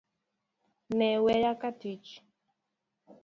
Ne waya katich